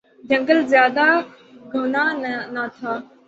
جنگل زیادہ گھنا نہ تھا